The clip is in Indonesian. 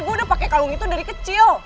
gue udah pakai kalung itu dari kecil